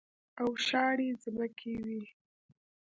او شاړې ځمکې وې.